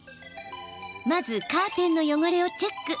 まず、カーテンの汚れをチェック。